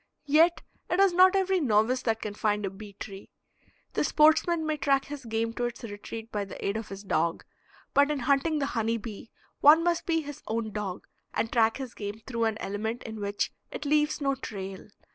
Yet it is not every novice that can find a bee tree. The sportsman may track his game to its retreat by the aid of his dog, but in hunting the honey bee one must be his own dog, and track his game through an element in which it leaves no trail.